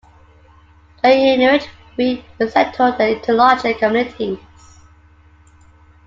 The Inuit would be resettled into larger communities.